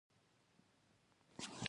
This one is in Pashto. په افغانستان کې واوره ډېر اهمیت لري.